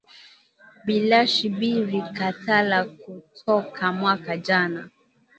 Bilashi biri katala ku toka mwaka jana